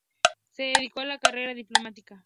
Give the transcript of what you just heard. Se dedicó a la carrera diplomática.